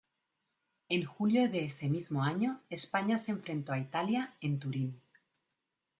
En julio de ese mismo año, España se enfrentó a Italia, en Turín.